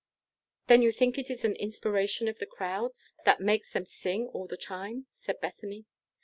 "Then you think it is an inspiration of the crowds that makes them sing all the time," said Bethany.